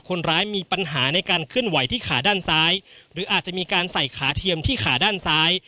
คนร้ายมีปัญหาในการเคลื่อนไหวที่ขาด้านซ้ายหรืออาจจะมีการใส่ขาเทียมที่ขาด้านซ้าย